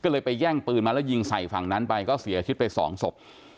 ก็เลยไปแย่งปืนมาแล้วยิงใส่ฝั่งนั้นไปก็เสียชีวิตไปสองศพ